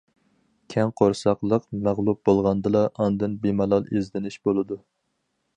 كەڭ قورساقلىق مەغلۇپ بولغاندىلا، ئاندىن بىمالال ئىزدىنىش بولىدۇ.